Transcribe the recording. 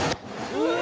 うわ！